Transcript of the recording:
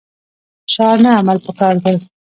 شعار نه عمل پکار دی